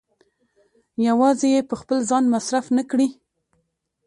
يوازې يې په خپل ځان مصرف نه کړي.